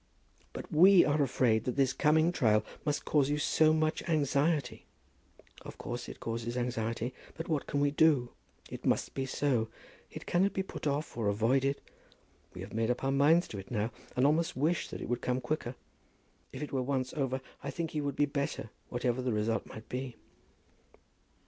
"But we were afraid that this coming trial must cause you so much anxiety." "Of course it causes anxiety; but what can we do? It must be so. It cannot be put off, or avoided. We have made up our minds to it now, and almost wish that it would come quicker. If it were once over I think that he would be better whatever the result might be."